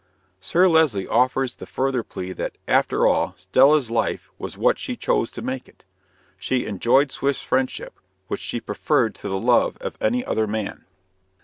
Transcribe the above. Sir Leslie offers the further plea that, after all, Stella's life was what she chose to make it. She enjoyed Swift's friendship, which she preferred to the love of any other man.